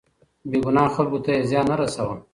بې ګناه خلکو ته يې زيان نه رساوه.